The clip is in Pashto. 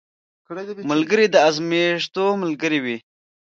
ملګری د ازمېښتو ملګری وي